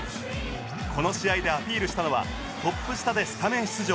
この試合でアピールしたのはトップ下でスタメン出場